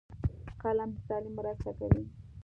فلم د تعلیم مرسته کوي